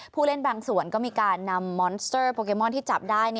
ผู้เล่นบางส่วนก็มีการนำมอนสเตอร์โปเกมอนที่จับได้